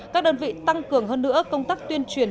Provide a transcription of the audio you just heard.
các đơn vị tăng cường hơn nữa công tác tuyên truyền